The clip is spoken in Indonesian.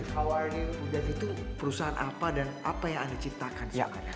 howard itu perusahaan apa dan apa yang anda ciptakan